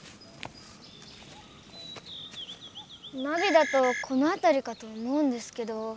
ナビだとこのあたりかと思うんですけど。